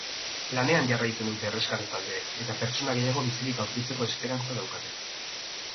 Lanean jarraitzen dute erreskate taldeek eta pertsona gehiago bizirik aurkitzeko esperantza daukate.